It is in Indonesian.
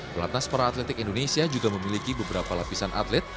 pelatnas para atletik indonesia juga memiliki beberapa lapisan atlet